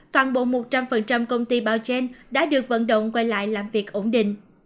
toàn bộ một trăm linh công ty bao chen đã được vận động quay lại làm việc ổn định